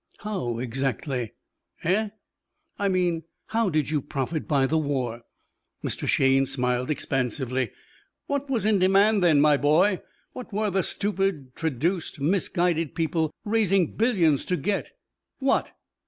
"How, exactly?" "Eh?" "I mean how did you profit by the war?" Mr. Shayne smiled expansively. "What was in demand then, my boy? What were the stupid, traduced, misguided people raising billions to get? What?